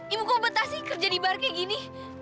ibu kok betah sih kerja di bar kayak gini